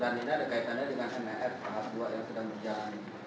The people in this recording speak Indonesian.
dan ini ada kaitannya dengan mf pak asbuat yang sedang berjalan